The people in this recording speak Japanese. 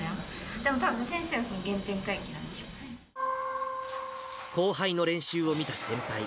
でもたぶん、先生は原点回帰なん後輩の練習を見た先輩。